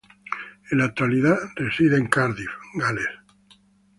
En la actualidad reside en Cardiff, Gales.